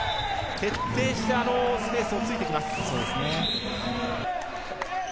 徹底してスペースを作ってきます。